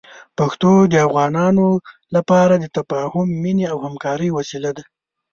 پښتو د افغانانو لپاره د تفاهم، مینې او همکارۍ وسیله ده.